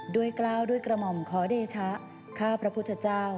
กล้าวด้วยกระหม่อมขอเดชะข้าพระพุทธเจ้า